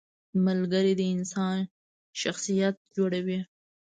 • ملګری د انسان شخصیت جوړوي.